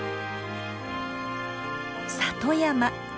「里山」。